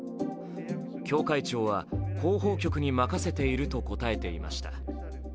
教会長は、広報局に任せていると答えていました。